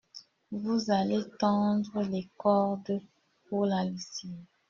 Vous allez tendre les cordes pour la lessive.